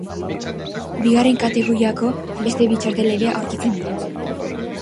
Bigarren kategoriako beste bi txartel ere aurkitzen dira.